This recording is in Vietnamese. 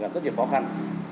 rất nhiều khó khăn